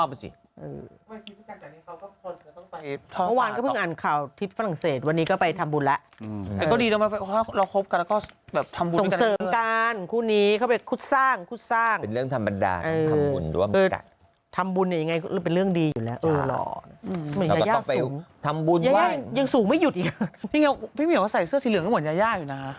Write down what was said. ่าพี่เหง่าใส่เสื้อสีเหลืองน่ะเหมือนยาย่าอยู่นะฮะ